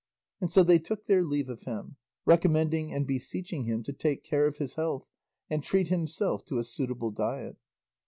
And so they took their leave of him, recommending and beseeching him to take care of his health and treat himself to a suitable diet.